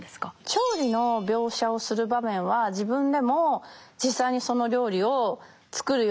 調理の描写をする場面は自分でも実際にその料理を作るようにします。